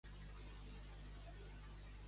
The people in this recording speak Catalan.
A quin monarca se'l menciona com a sobirà?